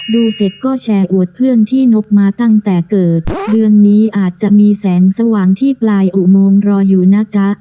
ดูเสร็จก็แชร์อวดเพื่อนที่นกมาตั้งแต่เกิดเรื่องนี้อาจจะมีแสงสว่างที่ปลายอุโมงรออยู่นะจ๊ะ